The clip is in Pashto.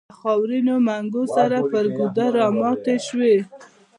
له خاورينو منګو سره پر ګودر راماتې شوې.